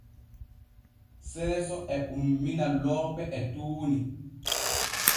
Seeso e ummina loope e tuuni.